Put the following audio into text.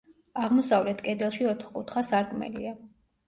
აღმოსავლეთ კედელში ოთკუთხა სარკმელია.